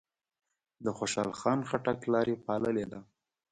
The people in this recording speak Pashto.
د خوشحال خان خټک لار یې پاللې ده.